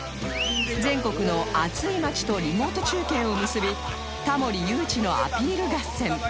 全国の暑い街とリモート中継を結びタモリ誘致のアピール合戦